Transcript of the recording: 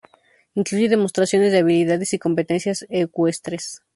Incluye demostraciones de habilidades y competencias ecuestres.